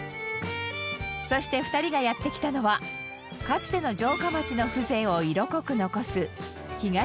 そして２人がやって来たのはかつての城下町の風情を色濃く残す。